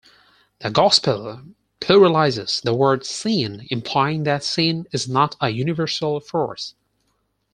The gospel pluralizes the word "sin" implying that sin is not a universal force.